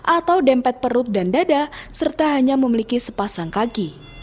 atau dempet perut dan dada serta hanya memiliki sepasang kaki